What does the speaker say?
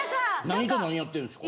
何と何やってるんですか？